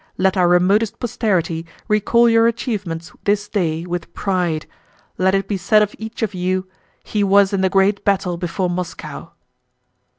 Let our remotest posterity recall your achievements this day with pride. Let it be said of each of you: "He was in the great battle before Moscow!"